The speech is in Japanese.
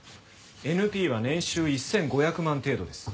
ＮＰは年収１５００万程度です。